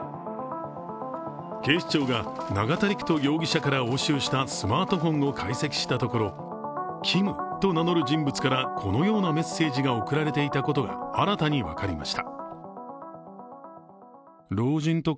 警視庁が永田陸人容疑者から押収したスマートフォンを解析したところ「Ｋｉｍ」と名乗る人物からこのようなメッセージが送られていたことが新たに分かりました。